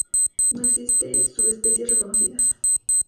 No existe subespecies reconocidas.